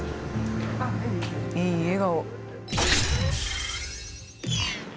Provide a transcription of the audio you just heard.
いい笑顔。